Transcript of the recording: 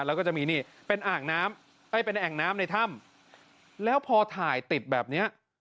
แล้วก็จะมีนี่เป็นแอ่งน้ำในถ้ำแล้วพอถ่ายติดแบบนี้